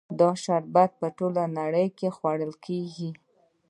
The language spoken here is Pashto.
دا شربت په ټوله نړۍ کې خوړل کیږي.